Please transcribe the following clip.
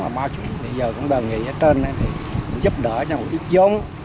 bây giờ cũng đơn nghị ở trên giúp đỡ cho một ít dống